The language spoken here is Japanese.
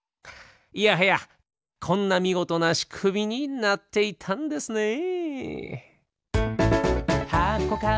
いやはやこんなみごとなしくみになっていたんですね。